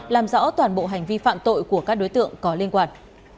làm rõ toàn bộ hành vi phạm tội của các đối tượng có liên quan